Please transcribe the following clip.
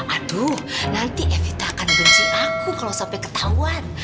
aduh nanti evita akan benci aku kalau sampai ketahuan